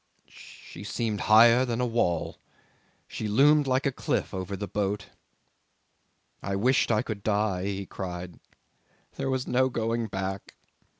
"She seemed higher than a wall; she loomed like a cliff over the boat ... I wished I could die," he cried. "There was no going back.